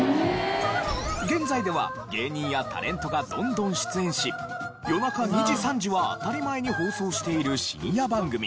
現在では芸人やタレントがどんどん出演し夜中２時３時は当たり前に放送している深夜番組。